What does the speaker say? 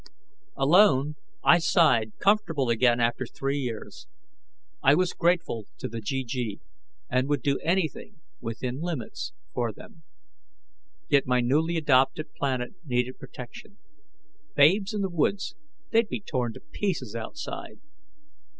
Alone, I sighed, comfortable again after three years. I was grateful to the GG, and would do anything, within limits, for them. Yet, my newly adopted planet needed protection. Babes in the woods, they'd be torn to pieces outside.